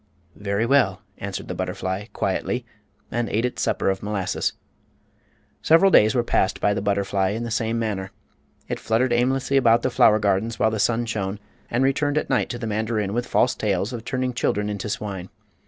"Very well," answered the butterfly, quietly, and ate its supper of molasses. Several days were passed by the butterfly in the same manner. It fluttered aimlessly about the flower gardens while the sun shone, and returned at night to the mandarin with false tales of turning children into swine.